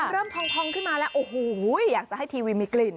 ทองขึ้นมาแล้วโอ้โหอยากจะให้ทีวีมีกลิ่น